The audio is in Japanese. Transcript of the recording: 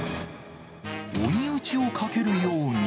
追い打ちをかけるように。